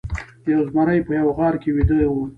یو زمری په یوه غار کې ویده و.